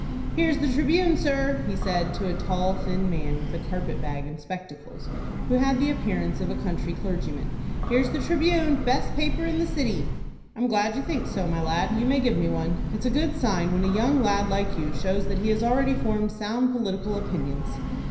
"Here's the 'Tribune', sir," he said to a tall, thin man, with a carpet bag and spectacles, who had the appearance of a country clergyman. "Here's the 'Tribune,'—best paper in the city." "I'm glad you think so, my lad. You may give me one. It's a good sign when a young lad like you shows that he has already formed sound political opinions."